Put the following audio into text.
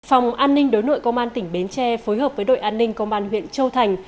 phòng an ninh đối nội công an tỉnh bến tre phối hợp với đội an ninh công an huyện châu thành